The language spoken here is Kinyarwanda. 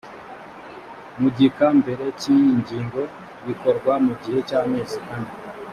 mu gika mbere cy’ iyi ngingo bikorwa mu gihe cy’amezi ane